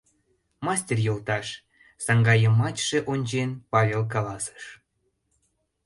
— Мастер йолташ, — саҥга йымачше ончен, Павел каласыш.